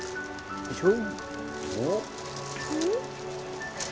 よいしょ。